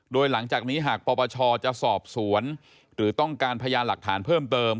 โดยหลังจากนี้หากปปชจะสอบสวนหรือต้องการพยานหลักฐานเพิ่มเติม